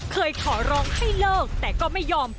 เคยขอร้องให้เลิกแต่ก็ไม่ยอม